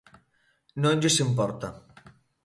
Non lles importa.